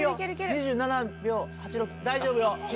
２７秒８６大丈夫よ。